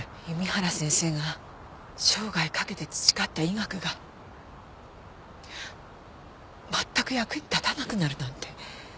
弓原先生が生涯かけて培った医学が全く役に立たなくなるなんて。